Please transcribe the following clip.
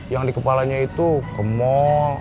yang di kepalanya itu ke mall